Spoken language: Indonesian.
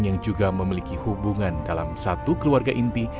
yang juga memiliki hubungan dalam satu keluarga inti